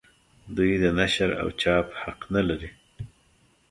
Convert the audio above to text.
دوی د نشر او چاپ حق نه لري.